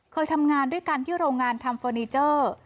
เคยทำงานด้วยกันที่โรงงานทำเฟอร์นิเจอร์